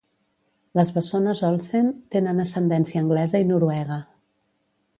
Les bessones Olsen tenen ascendència anglesa i noruega.